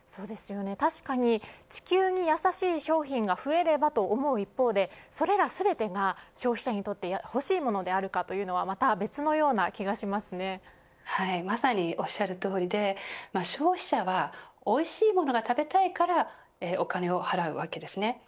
確かに地球にやさしい商品が増えればと思う一方でそれら全てが消費者にとってほしいものであるかはまさに、おっしゃるとおりで消費者は美味しいものが食べたいからお金を払うわけですね。